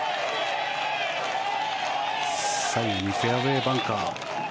左右にフェアウェーバンカー。